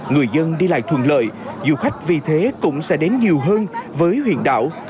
người dân đi lại thuận lợi du khách vì thế cũng sẽ đến nhiều hơn với huyền đảo